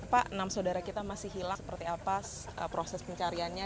pak enam saudara kita masih hilang seperti apa proses pencariannya